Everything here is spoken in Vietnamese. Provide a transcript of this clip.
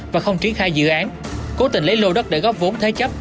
và không triển khai dự án cố tình lấy lô đất để góp vốn thế chấp